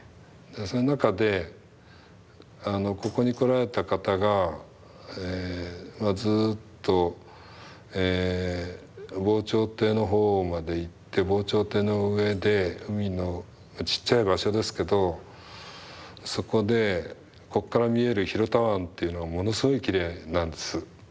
そういう中でここに来られた方がずっと防潮堤の方まで行って防潮堤の上で海のちっちゃい場所ですけどそこでこっから見える広田湾っていうのはものすごいきれいなんです。